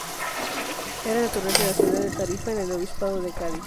Era natural de la ciudad de Tarifa, en el obispado de Cádiz.